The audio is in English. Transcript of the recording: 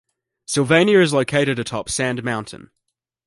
Sylvania is located atop Sand Mountain.